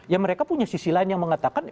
ya mereka punya sisi lain yang mengatakan